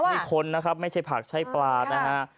นี่คนนะครับไม่ใช่ผักใช้ปลานะฮะ